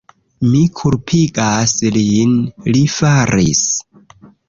Mi kulpigas lin... li faris!